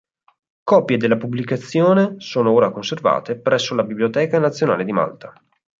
Copie della pubblicazione sono ora conservate presso la Biblioteca nazionale di Malta.